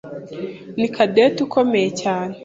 ni Cadette ukomeye cyane.